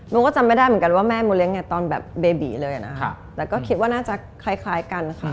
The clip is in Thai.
ก็จำไม่ได้เหมือนกันว่าแม่โมเลี้ยไงตอนแบบเบบีเลยนะคะแต่ก็คิดว่าน่าจะคล้ายกันค่ะ